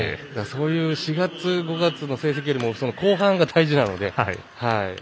４月、５月の成績より後半が大事なので。